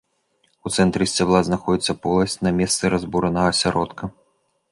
У цэнтры сцябла знаходзіцца поласць на месцы разбуранага асяродка.